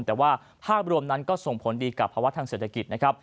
แต่ว่าภาพรวมนั้นก็ส่งผลดีกับภาวะทางเศรษฐกิจนะครับ